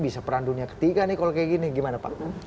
bisa peran dunia ketiga nih kalau kayak gini gimana pak